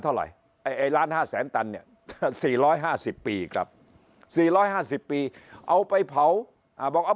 เท่าไหร่ไอ้ล้าน๕แสนตันเนี่ย๔๕๐ปีครับ๔๕๐ปีเอาไปเผาบอกเอา